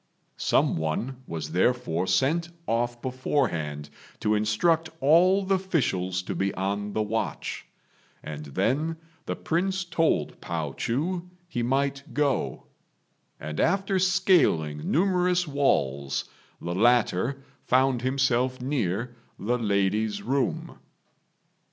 Some one was therefore sent off beforehand to instruct all the officials to be on the watch, and then the Prince told Pao chu he might go; and after scaling numerous walls the latter found himself near the lady's room.